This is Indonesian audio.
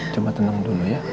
coba tenang dulu ya